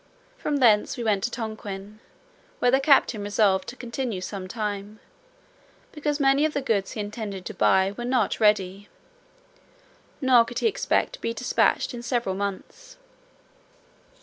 From thence we went to Tonquin, where the captain resolved to continue some time, because many of the goods he intended to buy were not ready, nor could he expect to be dispatched in several months.